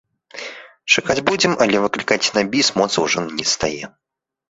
Чакаць будзем, але выклікаць на біс моцы ўжо не стае.